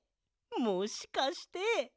もしかして。